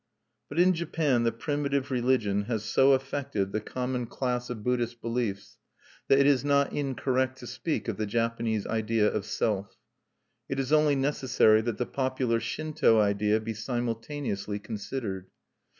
But in Japan the primitive religion has so affected the common class of Buddhist beliefs that it is not incorrect to speak of the Japanese "idea of self." It is only necessary that the popular Shinto idea be simultaneously considered.